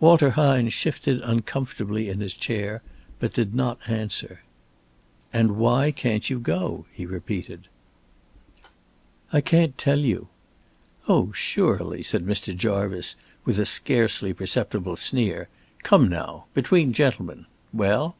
Walter Hine shifted uncomfortably in his chair but did not answer. "And why can't you go?" he repeated. "I can't tell you." "Oh, surely," said Mr. Jarvice, with a scarcely perceptible sneer. "Come now! Between gentlemen! Well?"